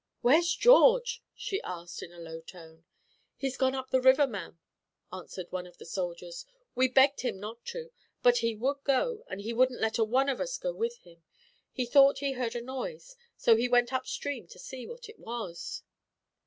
"Where's George?" she asked, in a low tone. "He's gone up the river, ma'am," answered one of the soldiers. "We begged him not to, but he would go, and he wouldn't let a one of us go with him. He thought he heard a noise, so he went up stream to see what it was."